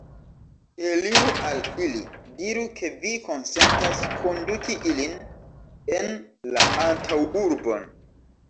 Eliru al ili, diru, ke vi konsentas konduki ilin en la antaŭurbon!